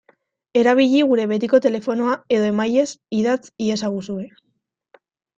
Erabili gure betiko telefonoa edo emailez idatz iezaguzue.